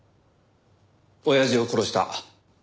親父を殺した。